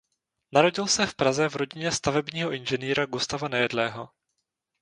Narodil se v Praze v rodině stavebního inženýra Gustava Nejedlého.